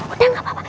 udah gak papa